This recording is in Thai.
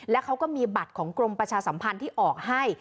แล้วเขาก็มีบัตรของกรมประชาสัมพันธ์ที่ออกให้